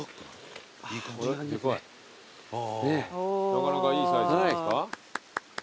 なかなかいいサイズじゃないですか？